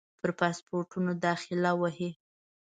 پر پاسپورټونو داخله وهي.